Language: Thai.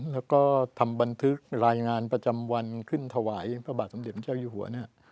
แล้วก็ทำบันทึกรายงานประจำวันขึ้นถวายพระบาทสมเด็จพระเจ้าอยู่หัวเนี่ย